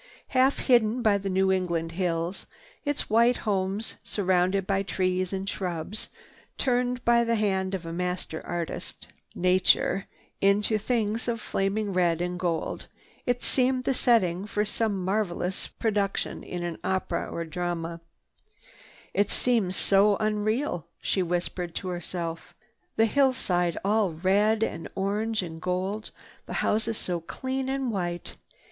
Half hidden by the New England hills, its white homes surrounded by trees and shrubs turned by the hand of a master artist, Nature, into things of flaming red and gold, it seemed the setting for some marvelous production in drama or opera. "It—it seems so unreal," she whispered to herself. "The hillside all red, orange and gold, the houses so clean and white.